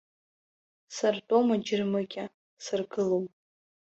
Сартәом аџьармыкьа, саргылом.